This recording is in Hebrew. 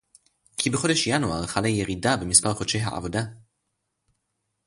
כי בחודש ינואר חלה ירידה במספר דורשי העבודה